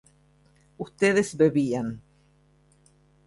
ustedes bebían